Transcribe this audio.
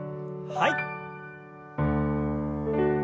はい。